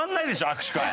握手会。